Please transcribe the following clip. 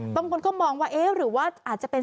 บางคนก็มองว่าเอ๊ะหรือว่าอาจจะเป็น